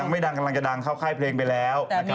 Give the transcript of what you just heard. ยังไม่ดังกำลังจะดังเข้าใคร่เพลงไปแล้วนะครับ